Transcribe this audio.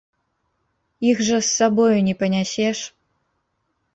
Іх жа з сабою не панясеш.